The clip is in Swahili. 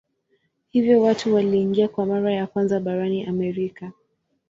Hivyo watu waliingia kwa mara ya kwanza barani Amerika.